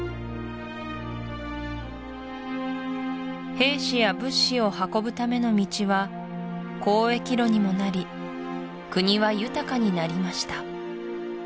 兵士や物資を運ぶための道は交易路にもなり国は豊かになりました